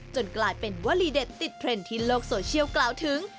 กลายเป็นวลีเด็ดติดเทรนด์ที่โลกโซเชียลกล่าวถึง